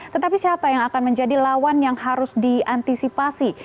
tetapi siapa yang akan menjadi lawan yang harus diantisipasi